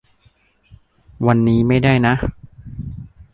วันนี้ไม่ได้นะ